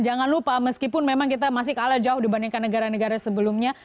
jangan lupa meskipun memang kita masih kalah jauh dibandingkan negara negara sebelumnya